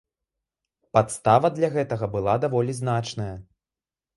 Падстава для гэтага была даволі значная.